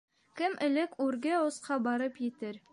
-Кем элек үрге осҡа барып етер!..